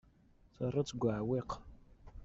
Terriḍ-tt deg uɛewwiq.